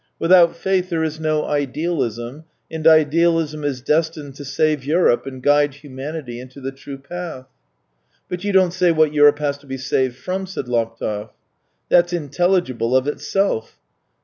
Without faith there is no idealism. 294 THE TALES OF TCHEHOV and idealism is destined to save Europe and guide humanity into the true path. " But you don't say what Europe has to be saved from," said Laptev. " That's intelligible of itself."